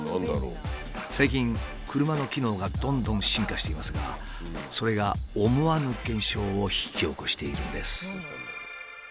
最近車の機能がどんどん進化していますがそれが思わぬ現象を引き起こしているんです。